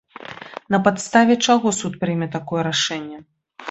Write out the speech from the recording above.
На падставе чаго суд прыме такое рашэнне?